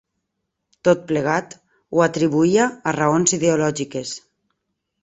Tot plegat ho atribuïa a raons ideològiques.